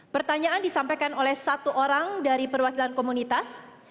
pertanyaan disampaikan oleh satu orang dari perwakilan komunitas